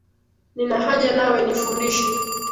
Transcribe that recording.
Nina haja nawe, nifundishe.